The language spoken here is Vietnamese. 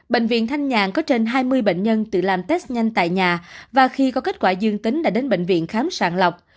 bệnh viện thanh nhàn có trên hai mươi bệnh nhân tự làm test nhanh tại nhà và khi có kết quả dương tính đã đến bệnh viện khám sàng lọc